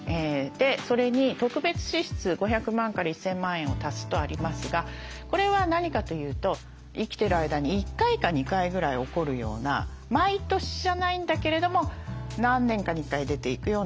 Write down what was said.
それに特別支出５００万から１，０００万円を足すとありますがこれは何かというと生きてる間に１回か２回ぐらい起こるような毎年じゃないんだけれども何年かに１回出ていくようなお金。